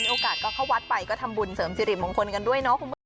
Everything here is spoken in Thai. มีโอกาสก็เข้าวัดไปก็ทำบุญเสริมสิริมของคนกันด้วยเนอะ